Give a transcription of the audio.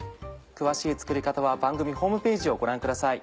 詳しい作り方は番組ホームページをご覧ください。